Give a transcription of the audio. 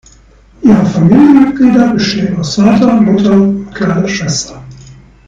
Ihre Familienmitglieder bestehen aus Vater, Mutter und kleiner Schwester.